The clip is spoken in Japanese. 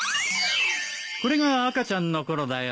これが赤ちゃんのころだよ。